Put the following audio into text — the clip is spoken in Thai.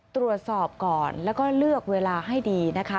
ตรวจสอบก่อนแล้วก็เลือกเวลาให้ดีนะคะ